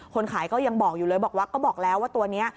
คนขายก็ยังบอกอยู่เลยบอกว่าก็บอกแล้วว่าตัวนี้